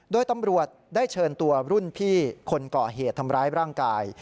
โดยตำรวจได้เชิญตัวรุ่นพี่คนก่อเหตุทำร้ายร่างกาย